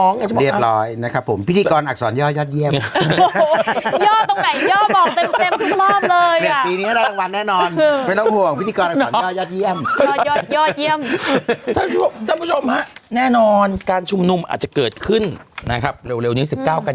เงียบร้อยนะครับผมพิธีกรอักษรย่อยอดเยี่ยมเกิดขึ้นนะครับเร็วนี้๑๙กัน